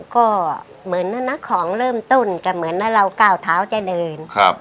ก็เหมือนนักของเริ่มต้นจะเหมือนเราก้าวเท้าจะเดินครับ